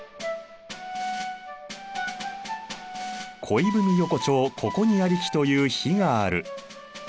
「恋文横丁此処にありき」という碑がある。